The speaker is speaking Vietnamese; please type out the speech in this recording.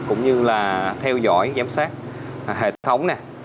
cũng như là theo dõi giám sát hệ thống này